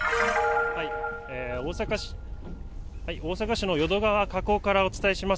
大阪市の淀川河口からお伝えします。